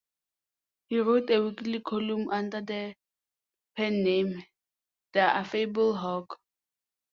He wrote a weekly column under the pen-name "The Affable Hawk".